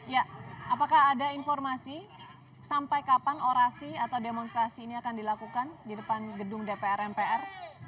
ya apakah ada informasi sampai kapan orasi atau demonstrasi ini akan dilakukan di depan gedung dpr mpr